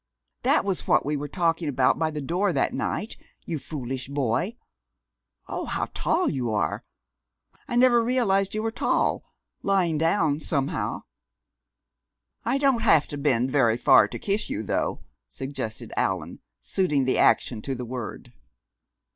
"That was what we were talking about by the door that night, you foolish boy!... Oh, how tall you are! I never realized you were tall, lying down, somehow!" "I don't have to bend very far to kiss you, though," suggested Allan, suiting the action to the word.